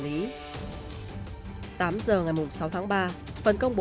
tám h ngày sáu tháng ba phần công bố cáo nguyễn văn hưng